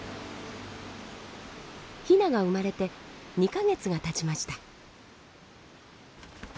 ヒナが生まれて２か月がたちました。